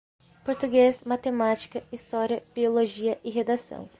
Português, matemática, história, biologia e redação